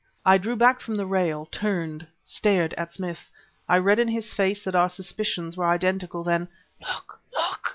I drew back from the rail, turned, stared at Smith. I read in his face that our suspicions were identical. Then "Look! Look!"